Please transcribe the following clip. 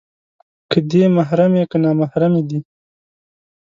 که دې محرمې، که نامحرمې دي